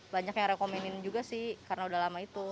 banyak yang rekomenin juga sih karena udah lama itu